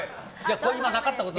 今なかったことで。